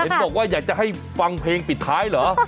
บอกว่าอยากจะให้ฟังเพลงปิดท้ายเหรอ